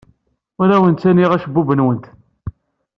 Ur awent-ttaniɣ acebbub-nwent.